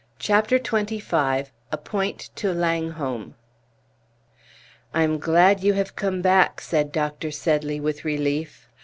CHAPTER XXV A POINT TO LANGHOLM "I am glad you have come back," said Dr. Sedley with relief.